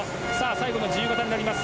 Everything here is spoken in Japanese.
最後の自由形になります。